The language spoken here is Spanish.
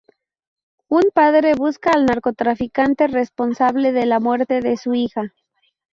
Un padre busca al narcotraficante responsable de la muerte de su hija.